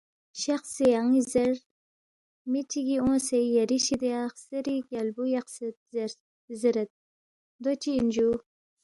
شخسے یان٘ی زیر، می چِک اونگسے یری شِدیا خسیری کیالبُوی یقسید زیرید دو چِہ اِن جُو؟